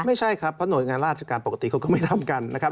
ไม่ใช่ครับเพราะหน่วยงานราชการปกติเขาก็ไม่ทำกันนะครับ